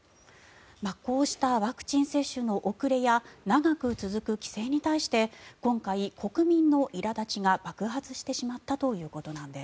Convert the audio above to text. こうしたワクチン接種の遅れや長く続く規制に対して今回、国民のいら立ちが爆発してしまったということです。